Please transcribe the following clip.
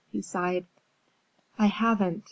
he sighed. "I haven't.